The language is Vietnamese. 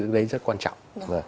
đấy rất quan trọng